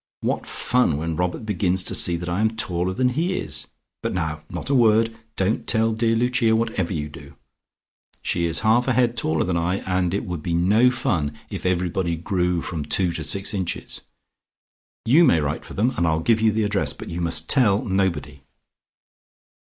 What fun when Robert begins to see that I am taller than he is! But now not a word! Don't tell dear Lucia whatever you do. She is half a head taller than I, and it would be no fun if everybody grew from two to six inches. You may write for them, and I'll give you the address, but you must tell nobody."